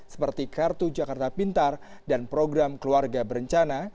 seperti kartu jakarta pintar dan program keluarga berencana